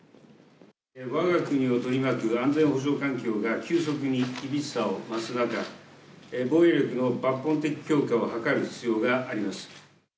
わが国を取り巻く安全保障環境が、急速に厳しさを増す中、防衛力の抜本的強化を図る必要があります。